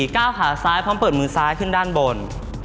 ก้าวขาซ้ายพร้อมเปิดมือซ้ายขึ้นด้านบน